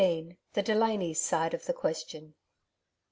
THE DELANYS' SIDB OF THE QUESTION.